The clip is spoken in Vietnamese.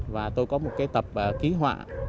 và tôi có một tập ký họa